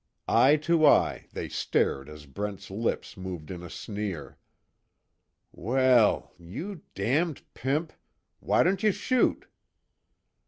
Eye to eye they stared as Brent's lips moved in a sneer: "Well you damned pimp why don't you shoot?"